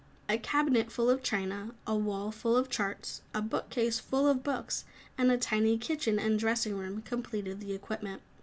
A cabinet full of china, a wall full of charts, a book case full of books and a tiny kitchen and dressing room, completed the equipment.